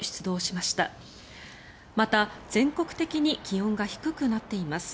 また、全国的に気温が低くなっています。